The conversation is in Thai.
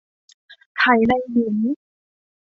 ไข่ในหิน